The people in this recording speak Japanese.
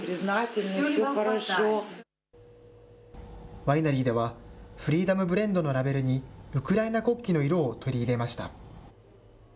ワイナリーでは、フリーダムブレンドのラベルに、ウクライナ国旗の色を取り入れました。